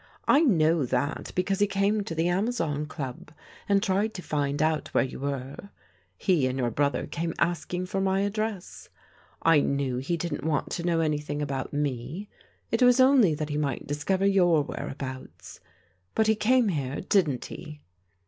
I know that, because he came to the Amazon Qub and tried to find out where you were. He and your brother came asking for my address. I knew he didn't want to know anything about me: it was only that he might discover your whereabouts. But he came here, didn't he?'